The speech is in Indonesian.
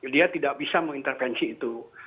dia tidak bisa mengintervensi itu